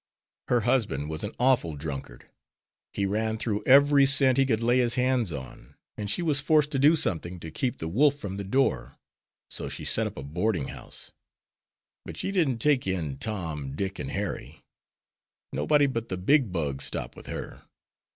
Her husband was an awful drunkard. He ran through every cent he could lay his hands on, and she was forced to do something to keep the wolf from the door, so she set up a boarding house. But she didn't take in Tom, Dick, and Harry. Nobody but the big bugs stopped with her.